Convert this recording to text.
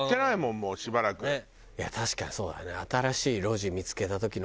いや確かにそうだね。